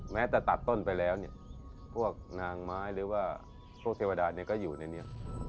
แม้แต่ตัดต้นไปแล้วเนี่ยพวกนางไม้หรือว่าพวกเทวดาเนี่ยก็อยู่ในนี้